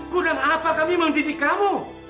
kurang apa kami mendidik kamu